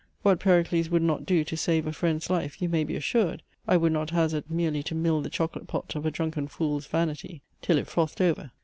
What Pericles would not do to save a friend's life, you may be assured, I would not hazard merely to mill the chocolate pot of a drunken fool's vanity till it frothed over.